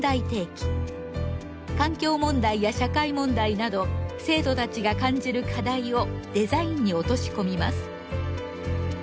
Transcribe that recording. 環境問題や社会問題など生徒たちが感じる課題をデザインに落とし込みます。